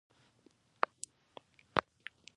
پوهه دا ده چې لمړی خپله ناپوهۍ ومنی!